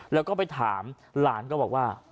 แล้วก็ไปถามหลานก็บอกว่า